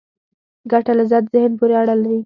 ګټه لذت ذهن پورې اړه لري.